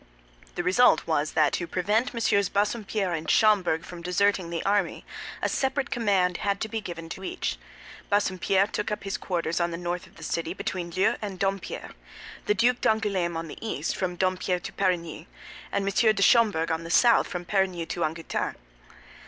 The result was that to prevent MM. Bassompierre and Schomberg from deserting the army, a separate command had to be given to each. Bassompierre took up his quarters on the north of the city, between Leu and Dompierre; the Duc d'Angoulême on the east, from Dompierre to Perigny; and M. de Schomberg on the south, from Perigny to Angoutin.